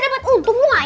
nah tahu tak idenya apa